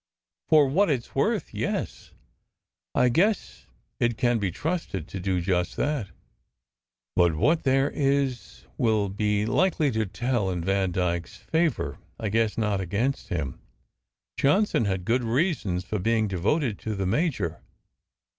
"For what it s worth, yes. I guess it can be trusted to do just that. But what there is will be likely to tell in Van dyke s favour, I guess, not against him. Johnson had good reasons for being devoted to the major.